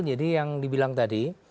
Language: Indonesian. jadi yang dibilang tadi